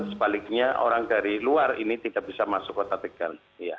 sebaliknya orang dari luar ini tidak bisa masuk kota tegal